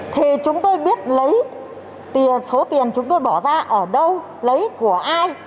thì chúng tôi biết lấy tiền số tiền chúng tôi bỏ ra ở đâu lấy của ai